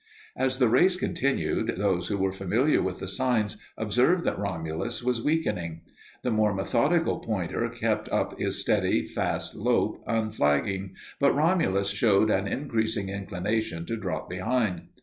As the race continued, those who were familiar with the signs observed that Romulus was weakening. The more methodical pointer kept up his steady, fast lope unflagging, but Romulus showed an increasing inclination to drop behind.